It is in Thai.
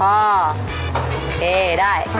โอเคได้